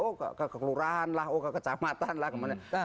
oh ke kelurahan lah ke kecamatan lah kemana mana